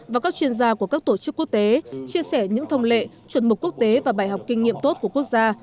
và các chuyên gia của các tổ chức quốc tế chia sẻ những thông lệ chuẩn mục quốc tế và bài học kinh nghiệm tốt của quốc gia